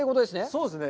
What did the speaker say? そうですね。